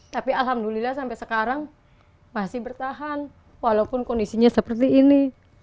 tapi alhamdulillah sampai sekarang masih bertahan walaupun kondisinya seperti ini